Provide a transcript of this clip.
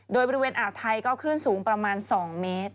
โดยบริเวณอ่าวไทยก็คลื่นสูงประมาณ๒เมตร